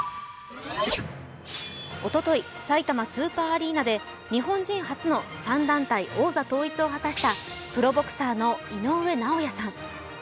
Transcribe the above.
おととい、埼玉スーパーアリーナで日本人初の３団体王座統一を果たした、プロボクサーの井上尚弥さん。